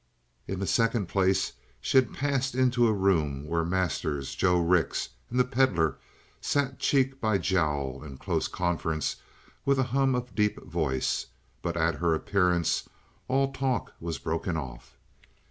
In the second place, she had passed into a room where Masters, Joe Rix, and the Pedlar sat cheek by jowl in close conference with a hum of deep voice. But at her appearance all talk was broken off.